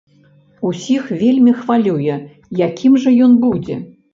Усіх вельмі хвалюе, якім жа ён будзе.